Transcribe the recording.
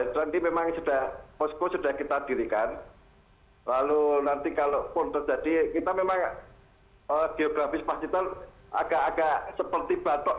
nanti memang sudah ada banjir susulan atau semacamnya banjir juga belum surut ini bagaimana kemudian antisipasi ke depannya